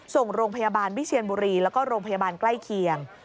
ส่งโรงพยาบาลวิเชียนบุรีแล้วก็โรงพยาบาลใกล้เคียง